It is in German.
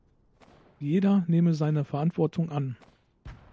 Jeder nehme seine Verantwortung an.